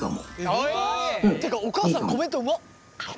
っていうかお母さんコメントうま！